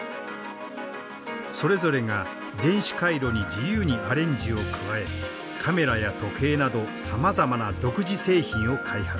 それぞれが電子回路に自由にアレンジを加えカメラや時計などさまざまな独自製品を開発。